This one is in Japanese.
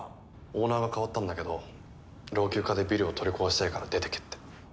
オーナーが代わったんだけど老朽化でビルを取り壊したいから出ていけって。